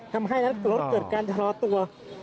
ทำให้รถเกิดการชะลอตัว